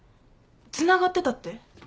つながってたって？